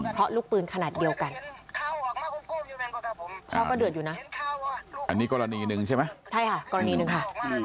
เพราะลูกปืนขนาดเดียวกันพ่อก็เดือดอยู่นะอันนี้กรณีหนึ่งใช่ไหมใช่ค่ะกรณีหนึ่งค่ะ